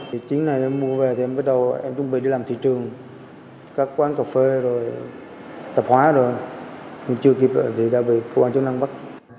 thì chiếc này mua về thì em bắt đầu em chuẩn bị đi làm thị trường các quán cà phê rồi tập hóa rồi nhưng chưa kịp rồi thì đã bị công an chứng năng bắt